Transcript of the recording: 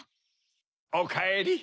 ・おかえり。